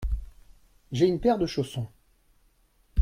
J’ai une paire de chaussons.